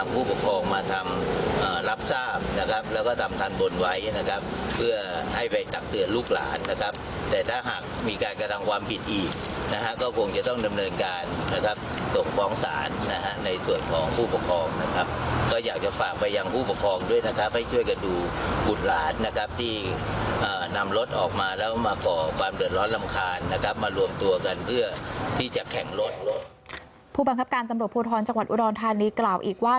ผู้บังคับการตำรวจภูทรจังหวัดอุดรธานีกล่าวอีกว่า